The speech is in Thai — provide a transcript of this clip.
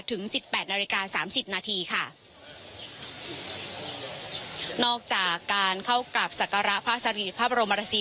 ถึงสิบแปดนาฬิกาสามสิบนาทีค่ะนอกจากการเข้ากลับสการะภาษฎีภาพบรมรสี